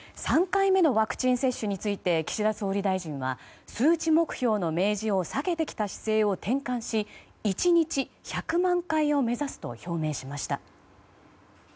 ３回目のワクチン接種について岸田総理大臣は数値目標の明示を避けてきた姿勢を転換し１日１００万回を目指すと表明しました。